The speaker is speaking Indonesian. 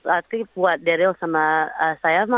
artinya buat daryl sama saya